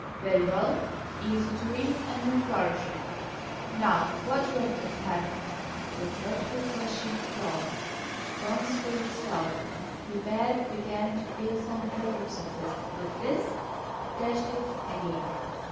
"Very well; easy to read, and no flourishes. Now, what references have you?" The dreadful question at last! John's face fell. He pad begun to feel some hope of success, but this dashed it again.